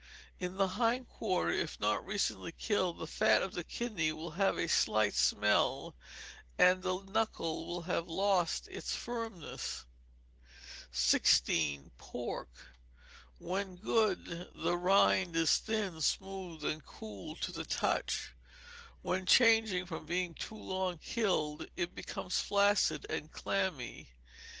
In the hind quarter, if not recently killed, the fat of the kidney will have a slight smell, and the knuckle will have lost its firmness. 16. Pork. When good, the rind is thin, smooth, and cool to the touch; when changing, from being too long killed, it becomes flaccid and clammy.